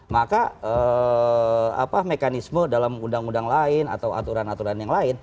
maka mekanisme dalam undang undang lain atau aturan aturan yang lain